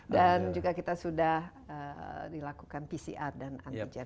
dan juga kita sudah dilakukan pcr dan antigen